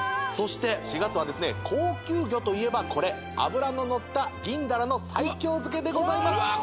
そして４月はですね高級魚といえばこれ脂ののった銀だらの西京漬けでございます